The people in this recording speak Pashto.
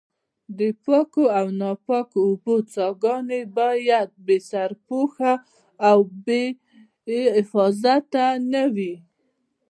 د پاکو او ناپاکو اوبو څاګانې باید بې سرپوښه او بې حفاظته نه وي.